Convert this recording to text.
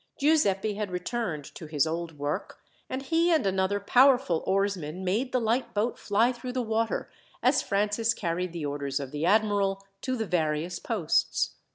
Giuseppi had returned to his old work, and he and another powerful oarsman made the light boat fly through the water, as Francis carried the orders of the admiral to the various posts.